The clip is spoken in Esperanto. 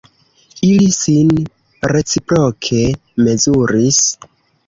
Ili sin reciproke mezuris.